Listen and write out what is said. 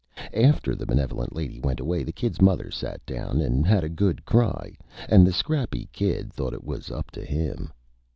After the Benevolent Lady went away the Kid's Mother sat down and had a Good Cry, and the Scrappy Kid thought it was up to him.